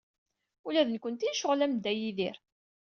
Ula d nekkenti necɣel am Dda Yidir.